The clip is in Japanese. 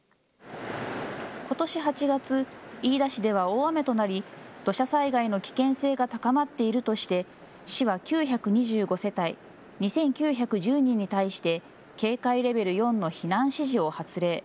ことし８月、飯田市では大雨となり土砂災害の危険性が高まっているとして市は９２５世帯２９１０人に対して警戒レベル４の避難指示を発令。